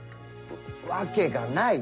わけがない！